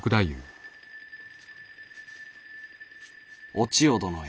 「お千代殿へ。